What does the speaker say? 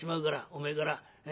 おめえから」。